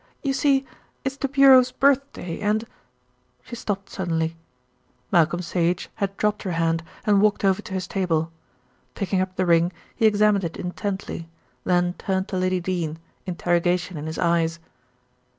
"You see, it's the Bureau's birthday, and " She stopped suddenly. Malcolm Sage had dropped her hand and walked over to his table. Picking up the ring he examined it intently, then turned to Lady Dene, interrogation in his eyes.